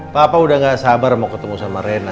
papa udah gak sabar mau ketemu sama rena